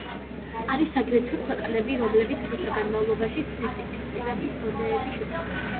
არის აგრეთვე ქვეყნები, რომლებიც დროთა განმავლობაში სერტიფიცირების დონეები შეცვალეს.